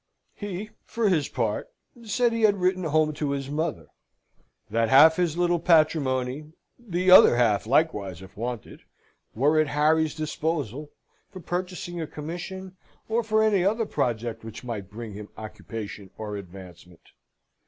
He, for his part, said he had written home to his mother that half his little patrimony, the other half likewise, if wanted, were at Harry's disposal, for purchasing a commission, or for any other project which might bring him occupation or advancement.